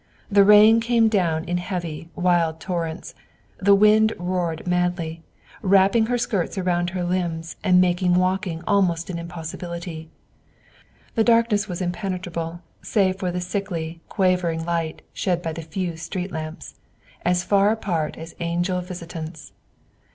The rain came down in heavy, wild torrents; the wind roared madly, wrapping her skirts around her limbs and making walking almost an impossibility; the darkness was impenetrable save for the sickly, quavering light shed by the few street lamps, as far apart as angel visitants.